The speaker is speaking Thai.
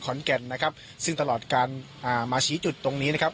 แก่นนะครับซึ่งตลอดการอ่ามาชี้จุดตรงนี้นะครับ